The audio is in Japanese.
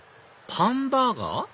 パンバーガー？